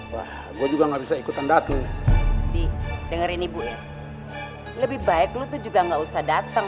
wah gue juga nggak bisa ikutan datunya dengerin ibu lebih baik lu juga enggak usah datang